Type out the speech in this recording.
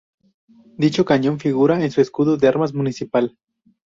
Dicho cañón figura en su escudo de armas municipal.